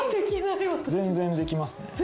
全然できますね。